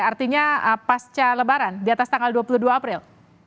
artinya pasca lebaran di atas tanggal dua puluh dua april